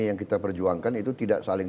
yang kita perjuangkan itu tidak saling